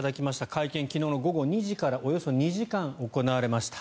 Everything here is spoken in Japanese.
会見、昨日の午後２時からおよそ２時間行われました。